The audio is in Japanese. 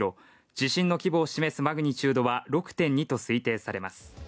地震の規模を示すマグニチュードは６．２と推定されます。